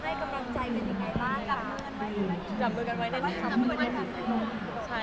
ให้กำลังใจกันยังไงค่ะ